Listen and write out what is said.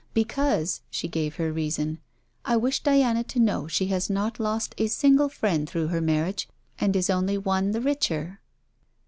'Because,' she gave her reason, 'I wish Diana to know she has not lost a single friend through her marriage, and is only one the richer.'